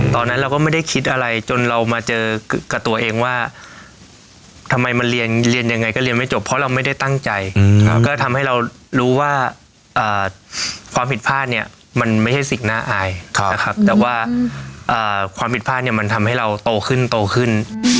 ตอนนั้นเราก็ไม่ได้คิดอะไรจนเรามาเจอกับตัวเองว่าทำไมมันเรียนยังไงก็เรียนไม่จบเพราะเราไม่ได้ตั้งใจก็ทำให้เรารู้ว่าความผิดพลาดเนี่ยมันไม่ใช่สิ่งน่าอายนะครับแต่ว่าความผิดพลาดเนี่ยมันทำให้เราโตขึ้นโตขึ้น